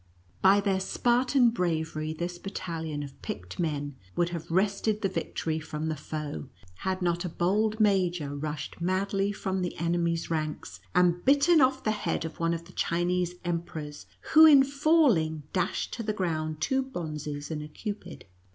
By their Spartan bravery this battalion of picked men would have wrested the victory from the foe, had not a bold major rushed madly from the enemy's ranks, and bitten off the head of one of the Chinese emperors, who in falling dashed to the ground two Bonzes and a Cupid.